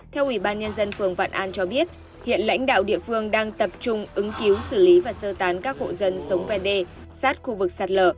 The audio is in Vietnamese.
theo ủy ban nhân dân phường vạn an cho biết hiện lãnh đạo địa phương đang tập trung ứng cứu xử lý và sơ tán các hộ dân sống ven đê sát khu vực sạt lở